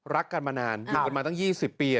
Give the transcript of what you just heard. รักกันมานานอยู่กันมาตั้ง๒๐ปี